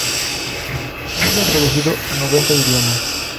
Ha sido traducido a noventa idiomas.